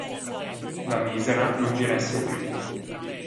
La misera non vi resse più.